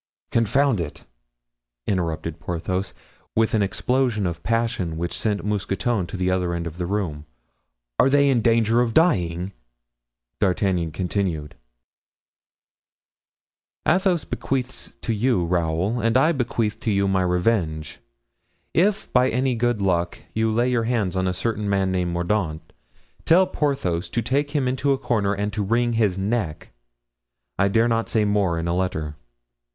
"Confound it," interrupted Porthos, with an explosion of passion which sent Mousqueton to the other end of the room; "are they in danger of dying?" D'Artagnan continued: "Athos bequeaths to you Raoul, and I bequeath to you my revenge. If by any good luck you lay your hand on a certain man named Mordaunt, tell Porthos to take him into a corner and to wring his neck. I dare not say more in a letter.